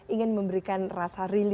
ingin memberikan rasa rindu